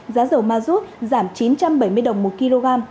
giá dầu mazut giảm chín trăm bảy mươi đồng một kg